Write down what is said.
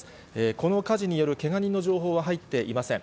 この火事によるけが人の情報は入っていません。